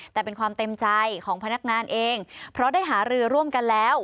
แต่เป็นความเต็มใจของพนักงานเองเพราะได้หารือร่วมกันแล้ว